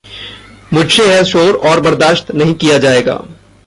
मुझसे यह शोर और बर्दाश्त नहीं किया जाएगा।